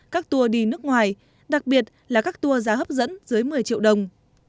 các tour đi nước ngoài đặc biệt là các tour giá hấp dẫn dưới một mươi triệu đồng